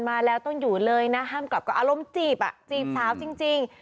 มาแล้วต้องอยู่เลยนะห้ามกลับก็อารมณ์จีบอ่ะจีบสาวจริง